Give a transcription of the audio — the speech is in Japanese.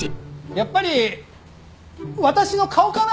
やっぱり私の顔かな？